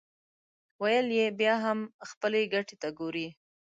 ويې ويل: بيا هم خپلې ګټې ته ګورې!